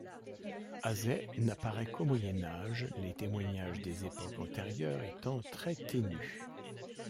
Azay n'apparaît qu'au Moyen Âge, les témoignages des époques antérieures étant très ténus.